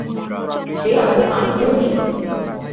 সে আমাদের পানি কেড়ে নিয়েছে।